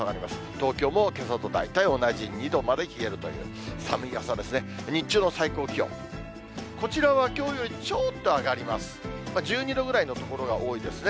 東京もけさと大体同じ２度まで冷えるという、寒い朝ですね。